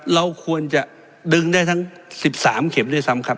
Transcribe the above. เราควรจะดึงได้ทั้ง๑๓เข็มด้วยซ้ำครับ